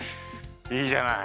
いいじゃない。